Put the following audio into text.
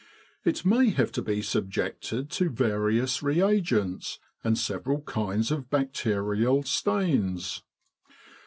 It may have to be subjected to various reagents, and several kinds of bacterial stains.